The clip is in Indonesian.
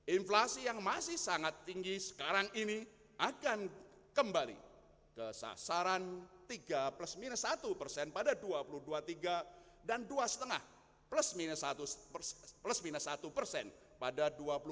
inflasi yang masih sangat tinggi sekarang ini akan kembali ke sasaran tiga satu pada dua ribu dua puluh tiga dan dua lima pada dua ribu dua puluh empat